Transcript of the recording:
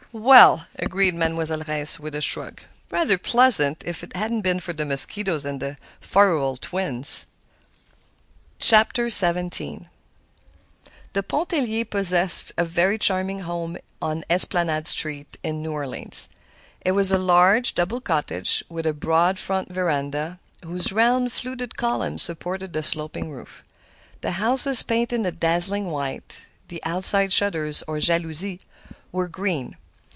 "Well," agreed Mademoiselle Reisz, with a shrug, "rather pleasant, if it hadn't been for the mosquitoes and the Farival twins." XVII The Pontelliers possessed a very charming home on Esplanade Street in New Orleans. It was a large, double cottage, with a broad front veranda, whose round, fluted columns supported the sloping roof. The house was painted a dazzling white; the outside shutters, or jalousies, were green.